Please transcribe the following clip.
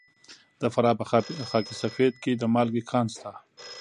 د فراه په خاک سفید کې د مالګې کان شته.